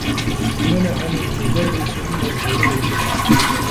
منعني المدرّس من الخروج.